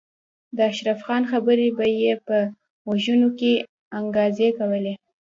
د اشرف خان خبرې به یې په غوږونو کې انګازې کولې